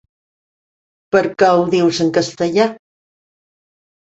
Per què ho dius en castellà?